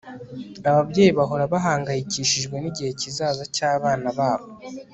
ababyeyi bahora bahangayikishijwe nigihe kizaza cyabana babo